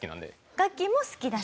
ガッキーも好きだし。